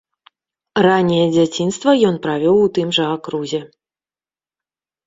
Ранняе дзяцінства ён правёў у тым жа акрузе.